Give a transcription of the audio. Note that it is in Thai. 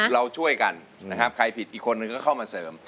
เราช่วยกันนะครับใครผิดอีกคนนึงก็เข้ามาเสริม